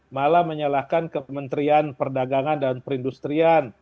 malah menyalahkan kementerian perdagangan dan perindustrian